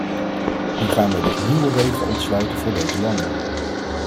Nu gaan wij dus nieuwe wegen ontsluiten voor deze landen.